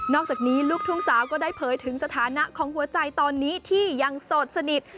อกจากนี้ลูกทุ่งสาวก็ได้เผยถึงสถานะของหัวใจตอนนี้ที่ยังโสดสนิท